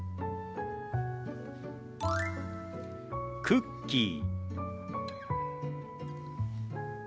「クッキー」。